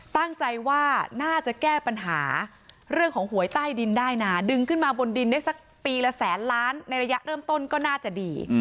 ตั้งใจว่าน่าจะแก้ปัญหาเรื่องของหวยใต้ดินได้นะดึงขึ้นมาบนดินได้สักปีละแสนล้านในระยะเริ่มต้นก็น่าจะดี